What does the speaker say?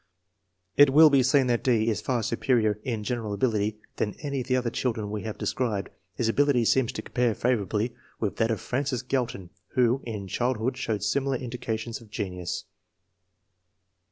It will be seen that D. is far superior in general ability to any of the other children we have described. His ability seems to compare favorably with that of Francis Galton, 1 who in childhood showed similar in dications of genius.